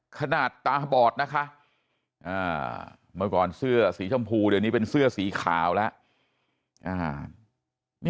ตาบอดนะคะเมื่อก่อนเสื้อสีชมพูเดี๋ยวนี้เป็นเสื้อสีขาวแล้ว